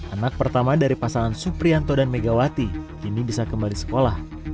anak pertama dari pasangan suprianto dan megawati kini bisa kembali sekolah